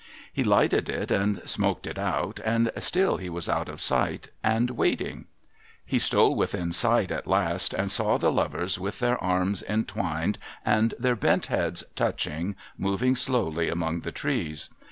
He lighted it, and smoked it out, and still he was out of sight and waiting. He stole within sight at last, and saw the lovers, with their arms entwined and their bent heads touching, moving slowly among the trees.